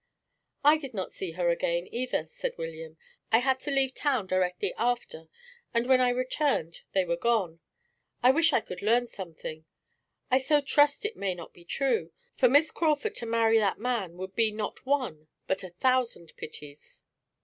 "I did not see her again, either," said William. "I had to leave town directly after, and when I returned they were gone. I wish I could learn something! I so trust it may not be true; for Miss Crawford to marry that man would be not one, but a thousand pities.